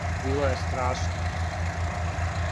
Било је страшно.